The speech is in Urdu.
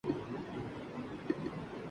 دفعہ ہو جائو